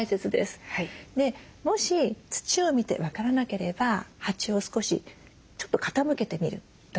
もし土を見て分からなければ鉢を少しちょっと傾けてみるとか